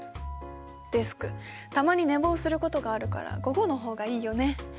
デスクたまに寝坊することがあるから午後の方がいいよね。